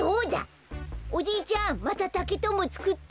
おじいちゃんまたたけとんぼつくって！